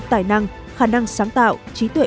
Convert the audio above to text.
tài năng khả năng sáng tạo trí tuệ